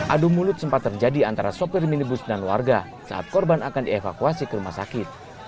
adu mulut sempat terjadi antara sopir minibus dan warga saat korban akan dievakuasi ke rumah sakit